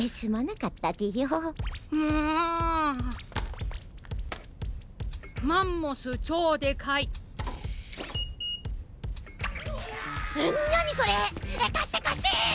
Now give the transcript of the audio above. かしてかして！